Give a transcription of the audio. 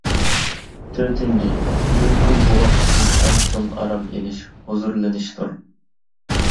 تۆتىنچى، ئۇيقۇ بوۋاق ئۈچۈن ئەڭ چوڭ ئارام ئېلىش، ھۇزۇرلىنىشتۇر.